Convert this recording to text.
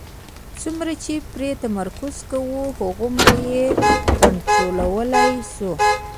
څومره چې پرې تمرین کوو، هغومره یې کنټرولولای شو.